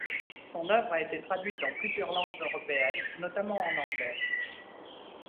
Son œuvre a été traduite dans plusieurs langues européennes, notamment en anglais.